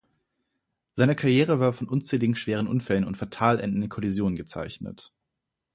Seine Karriere war von unzähligen schweren Unfällen und fatal endenden Kollisionen gezeichnet.